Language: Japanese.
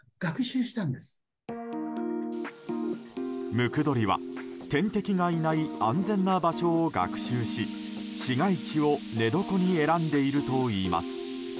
ムクドリは天敵がいない安全な場所を学習し市街地を寝床に選んでいるといいます。